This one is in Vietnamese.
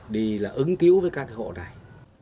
đi là ứng cứu với các hộ này